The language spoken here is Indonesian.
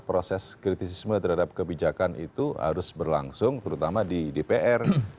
proses kritisisme terhadap kebijakan itu harus berlangsung terutama di dpr